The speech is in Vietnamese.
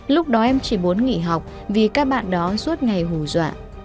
lúc đó em chỉ muốn nghỉ học vì các bạn đó suốt ngày hù dọa